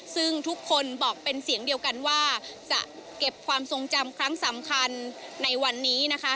ซึ่งทุกคนบอกเป็นเสียงเดียวกันว่าจะเก็บความทรงจำครั้งสำคัญในวันนี้นะคะ